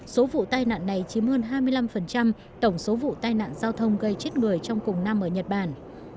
số vụ tai nạn này chiếm hơn hai mươi năm tổng số vụ tai nạn giao thông gây chết người trong cùng năm ở nhật bản